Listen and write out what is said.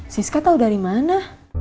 siska tau dari mana